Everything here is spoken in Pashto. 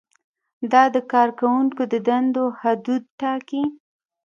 دا د کارکوونکو د دندو حدود ټاکي.